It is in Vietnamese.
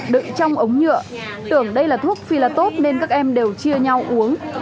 đựng trong ống nhựa tưởng đây là thuốc phi là tốt nên các em đều chia nhau uống